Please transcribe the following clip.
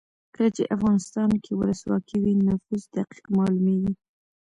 کله چې افغانستان کې ولسواکي وي نفوس دقیق مالومیږي.